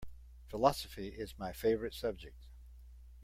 Philosophy is my favorite subject.